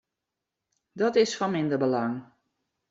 Dat is fan minder belang.